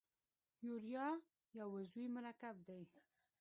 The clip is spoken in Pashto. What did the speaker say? یوریا یو عضوي مرکب دی.